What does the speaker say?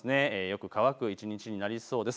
よく乾く一日になりそうです。